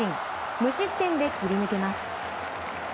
無失点で切り抜けます。